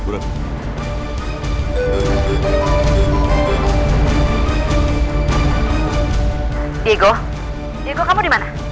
diego kamu dimana